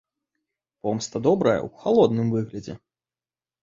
Помста добрая ў халодным выглядзе.